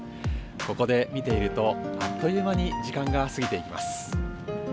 ここで見ていると、あっという間に時間が過ぎていきます。